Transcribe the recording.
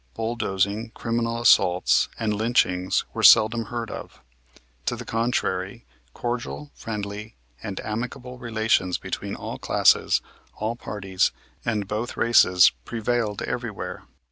Bulldozing, criminal assaults and lynchings were seldom heard of. To the contrary, cordial, friendly and amicable relations between all classes, all parties, and both races prevailed everywhere.